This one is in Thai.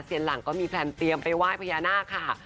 เซียนหลังก็มีแพลนเตรียมไปไหว้พระยาหน้าค่ะ